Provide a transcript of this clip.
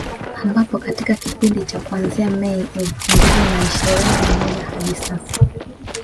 Ambapo katika kipindi cha kuanzia Mei elfu mbili na ishirini na moja hadi sasa